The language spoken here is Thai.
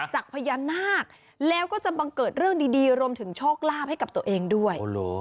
จากพญานาคแล้วก็จะบังเกิดเรื่องดีรวมถึงโชคลาภให้กับตัวเองด้วย